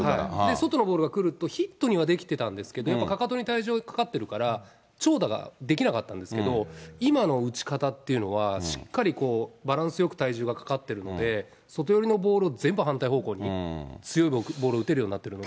そのボールが来るとヒットにはできてたんですけれども、やっぱかかとに体重かかってるから、長打ができなかったんですけれども、今の打ち方っていうのは、しっかりバランスよく体重がかかってるので、外寄りのボールを全部反対方向に、強いボールを打てるようになってるので。